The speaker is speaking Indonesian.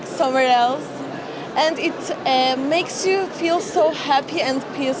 dan itu membuat anda merasa sangat bahagia dan tenang